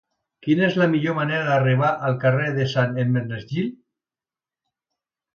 Quina és la millor manera d'arribar al carrer de Sant Hermenegild?